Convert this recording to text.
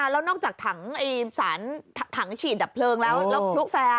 แล้วนอกจากถังสารถังฉีดดับเพลิงแล้วแล้วพลุแฟร์